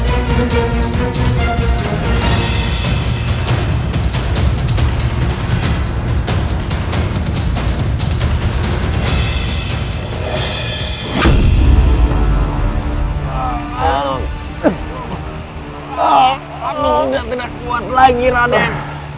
aku sudah tidak kuat lagi raden